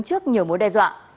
trước nhiều mối đe dọa